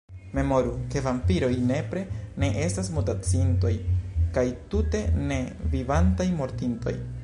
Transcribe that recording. Memoru, ke vampiroj nepre ne estas mutaciintoj, kaj, tute ne, vivantaj mortintoj.